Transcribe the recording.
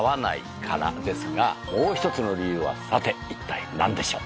もう１つの理由はさて一体何でしょう？